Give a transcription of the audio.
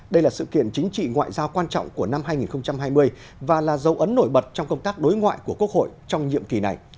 đây là sự kiện chính trị ngoại giao quan trọng của năm hai nghìn hai mươi và là dấu ấn nổi bật trong công tác đối ngoại của quốc hội trong nhiệm kỳ này